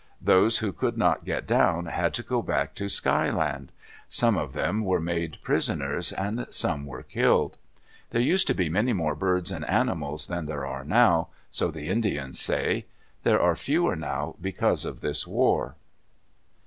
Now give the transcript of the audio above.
Those who could not get down had to go back to Sky Land. Some of them were made prisoners and some were killed. There used to be many more birds and animals than there are now; so the Indians say. There are fewer now because of this war.